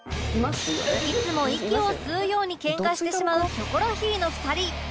いつも息を吸うように喧嘩してしまうキョコロヒーの２人